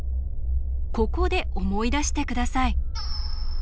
ここで思い出して下さい。